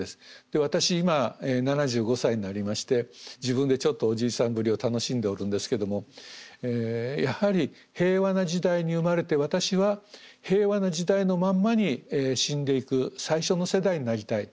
私今７５歳になりまして自分でちょっとおじいさんぶりを楽しんでおるんですけどもやはり平和な時代に生まれて私は平和な時代のまんまに死んでいく最初の世代になりたい。